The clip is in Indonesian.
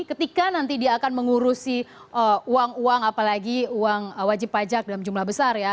ketika nanti dia akan mengurusi uang uang apalagi uang wajib pajak dalam jumlah besar ya